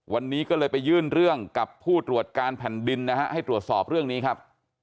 วันนี้ก็เลยไปยื่นเรื่องกับผู้ตรวจการแผ่นดินนะฮะให้ตรวจสอบเรื่องนี้ครับ